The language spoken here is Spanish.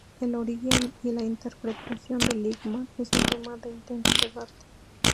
El origen y la interpretación del lingam es un tema de intenso debate.